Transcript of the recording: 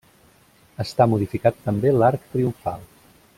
Està modificat també l'arc triomfal.